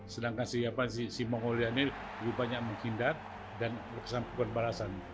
sedangkan si mongolian ini lebih banyak menghindar dan menyampukkan balasan